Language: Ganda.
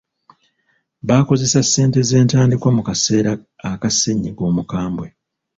Baakozesa ssente z'entandikwa mu kaseera aka ssenyiga omukambwe.